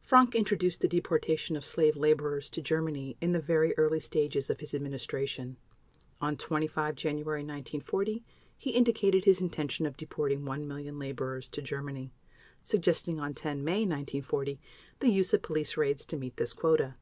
Frank introduced the deportation of slave laborers to Germany in the very early stages of his administration. On 25 January 1940 he indicated his intention of deporting 1 million laborers to Germany, suggesting on 10 May 1940 the use of police raids to meet this quota.